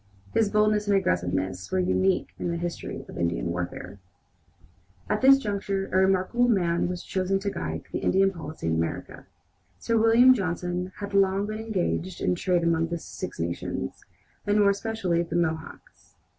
His boldness and aggressiveness were unique in the history of Indian warfare. At this juncture a remarkable man was chosen to guide the Indian policy in America. Sir William Johnson had long been engaged in trade among the Six Nations, and more especially the Mohawks.